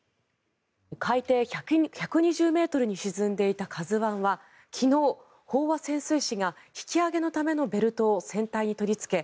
海底１２０ｍに沈んでいた「ＫＡＺＵ１」は昨日、飽和潜水士が引き揚げのためのベルトを船体に取りつけ